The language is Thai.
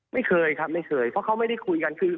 ไม่เคยครับไม่เคยเพราะเขาไม่ได้คุยกันคือ